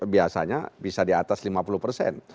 biasanya bisa di atas lima puluh persen